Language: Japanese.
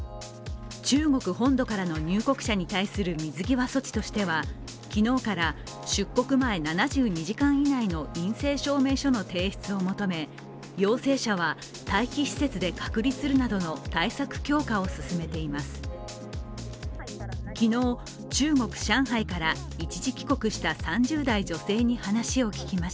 中国本土からの入国者に対する水際措置としては昨日から出国前７２時間以内の陰性証明書の提出を求め、陽性者は待機施設で隔離するなどの対策強化を進めています。